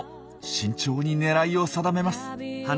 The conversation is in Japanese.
慎重に狙いを定めます。